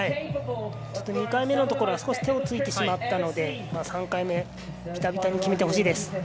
ちょっと２回目のところで少し手をついてしまったので３回目、ビタビタに決めてほしいです。